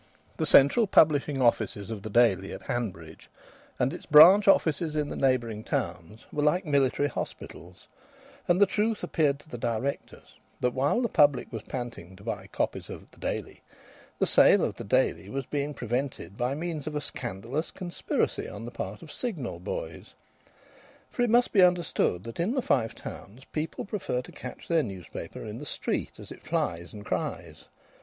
The central publishing offices of the Daily at Hanbridge, and its branch offices in the neighbouring towns, were like military hospitals, and the truth appeared to the directors that while the public was panting to buy copies of the Daily, the sale of the Daily was being prevented by means of a scandalous conspiracy on the part of Signal boys. For it must be understood that in the Five Towns people prefer to catch their newspaper in the street as it flies and cries.